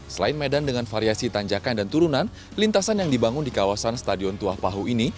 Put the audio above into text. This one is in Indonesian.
selain medan dengan variasi tanjakan dan turunan lintasan yang dibangun di kawasan stadion tuah pahu ini